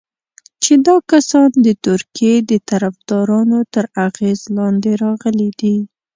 چې دا کسان د ترکیې د طرفدارانو تر اغېز لاندې راغلي دي.